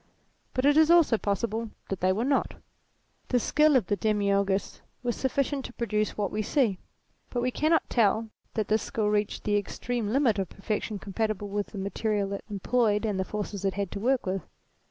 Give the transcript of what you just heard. But it is also possible that they were not. The skill of the Demiourgos was sufficient to produce what we see ; but we cannot tell that this skill reached the extreme limit of perfection compatible with the material it employed and the forces it had to work with.